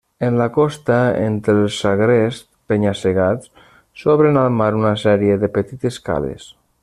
En la costa, entre els agrests penya-segats, s'obren al mar una sèrie de petites cales.